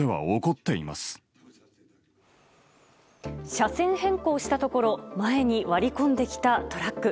車線変更したところ前に割り込んできたトラック。